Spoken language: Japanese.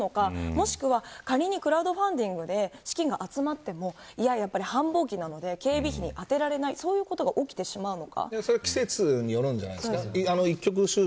もしくは、仮にクラウドファンディングで資金が集まってもやっぱり繁忙期なので警備費に充てられないそういうことがそれは季節によるんじゃないですか。